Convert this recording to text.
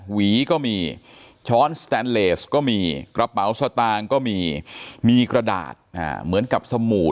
หวีก็มีช้อนสแตนเลสก็มีกระเป๋าสตางค์ก็มีมีกระดาษเหมือนกับสบู่